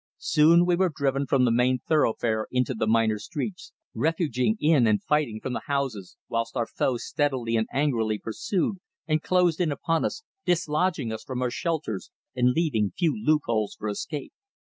Soon we were driven from the main thoroughfare into the minor streets, refuging in and fighting from the houses, whilst our foe steadily and angrily pursued and closed in upon us, dislodging us from our shelters and leaving few loop holes for escape.